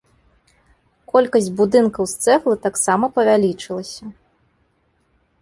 Колькасць будынкаў з цэглы таксама павялічылася.